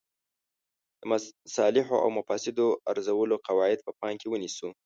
د مصالحو او مفاسدو ارزولو قواعد په پام کې ونیسو.